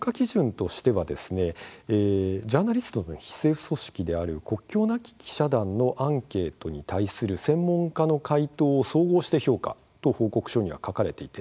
ジャーナリストの非政府組織である国境なき記者団のアンケートに対する専門家の回答を総合して評価と報告書には書かれています。